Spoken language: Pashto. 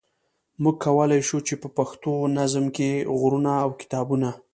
موږ کولای شو چې په پښتو نظم کې غرونه او کتابونه.